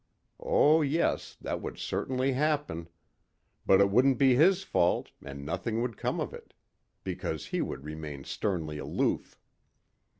Oh yes, that would certainly happen. But it wouldn't be his fault and nothing would come of it. Because he would remain sternly aloof.